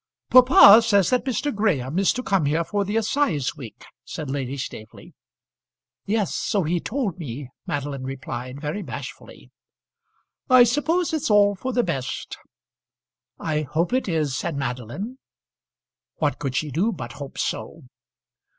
"Papa says that Mr. Graham is to come here for the assize week," said Lady Staveley. "Yes; so he told me," Madeline replied, very bashfully. "I suppose it's all for the best." "I hope it is," said Madeline. What could she do but hope so?